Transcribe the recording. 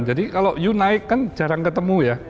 jadi kalau you naik kan jarang ketemu ya